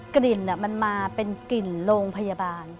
กลิ่นมันมาเป็นกลิ่นโรงพยาบาล